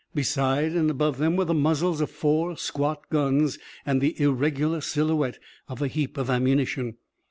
Beside and above them were the muzzles of four squat guns and the irregular silhouette of a heap of ammunition.